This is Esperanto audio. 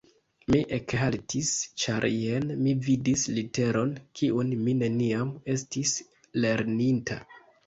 Mi ekhaltis, ĉar jen mi vidis literon, kiun mi neniam estis lerninta.